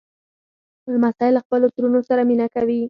لمسی له خپلو ترونو سره مینه کوي.